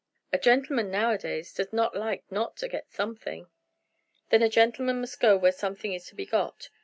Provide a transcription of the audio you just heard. "A gentleman nowadays does not like not to get something." "Then a gentleman must go where something is to be got.